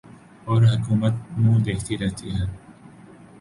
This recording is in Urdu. اور حکومت منہ دیکھتی رہتی ہے